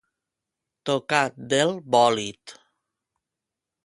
Tocat del bòlid.